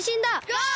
ゴー！